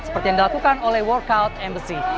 seperti yang dilakukan oleh workout embassy